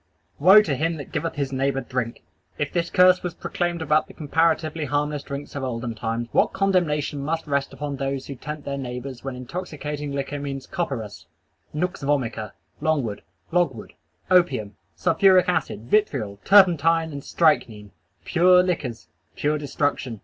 "Woe to him that giveth his neighbor drink!" If this curse was proclaimed about the comparatively harmless drinks of olden times, what condemnation must rest upon those who tempt their neighbors when intoxicating liquor means copperas, nux vomica, logwood, opium, sulphuric acid, vitriol, turpentine, and strychnine! "Pure liquors:" pure destruction!